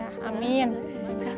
saya sudah dengan suhu